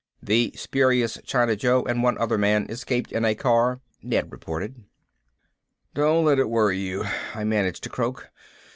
"The spurious China Joe and one other man escaped in a car," Ned reported. "Don't let it worry you," I managed to croak.